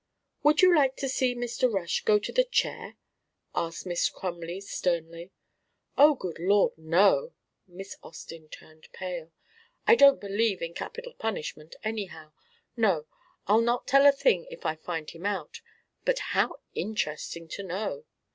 "Would you like to see Mr. Rush go to the chair?" asked Miss Crumley sternly. "Oh, good Lord no." Miss Austin turned pale. "I don't believe in capital punishment, anyhow. No, I'll not tell a thing if I find him out. But how interesting to know!